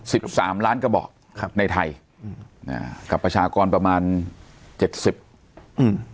สิบสามล้านกระบอกครับในไทยอืมอ่ากับประชากรประมาณเจ็ดสิบอืม